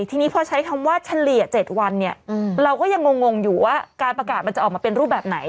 ทีนี้พอใช้คำว่าเฉลี่ย๗วันเนี่ยเราก็ยังงงอยู่ว่าการประกาศมันจะออกมาเป็นรูปแบบไหน